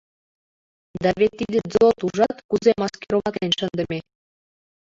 Да вет тиде ДЗОТ, ужат, кузе маскироватлен шындыме.